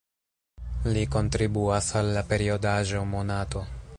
Li kontribuas al la periodaĵo "Monato".